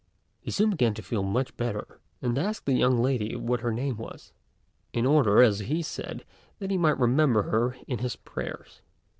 He soon began to feel much better, and asked the young lady what her name was, in order, as he said, that he might remember her in his prayers.